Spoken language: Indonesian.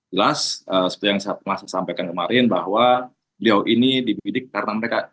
jelas seperti yang saya sampaikan kemarin bahwa beliau ini dibidik karena mereka